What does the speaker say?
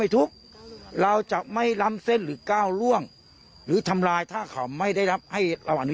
สิ่งที่จะเกิดการเปลี่ยนแปลงกับการประพฤติเอกและคุณกัลจอมพลัง